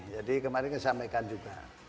jadi kemarin saya sampaikan juga